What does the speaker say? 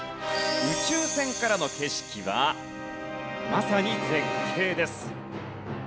宇宙船からの景色はまさに絶景です。